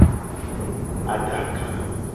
Adaka.